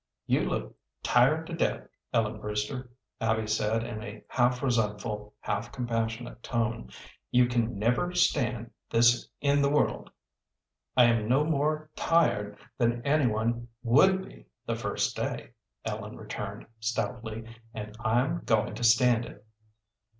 "You look tired to death, Ellen Brewster," Abby said, in a half resentful, half compassionate tone. "You can never stand this in the world." "I am no more tired than any one would be the first day," Ellen returned, stoutly, "and I'm going to stand it."